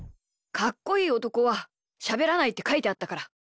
かっこいいおとこはしゃべらないってかいてあったから。